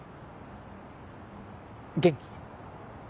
元気？